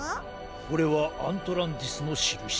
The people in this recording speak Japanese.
これはアントランティスのしるし。